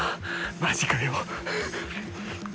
マジかよ。